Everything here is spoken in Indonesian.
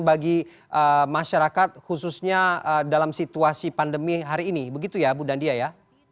bagi masyarakat khususnya dalam situasi pandemi hari ini begitu ya bu dandia ya